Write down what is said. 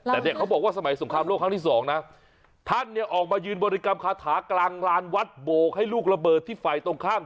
แต่เนี่ยเขาบอกว่าสมัยสงครามโลกครั้งที่สองนะท่านเนี่ยออกมายืนบริกรรมคาถากลางลานวัดโบกให้ลูกระเบิดที่ฝ่ายตรงข้าม